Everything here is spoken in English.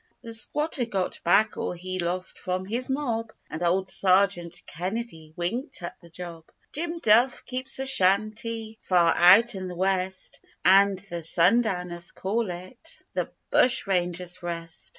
The squatter got back all he lost from his mob, And old Sergeant Kennedy winked at the job; Jim Duff keeps a shanty far out in the west, And the sundowners call it the 'Bushranger's Rest.